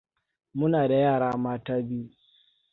Muna da yara mata biyu.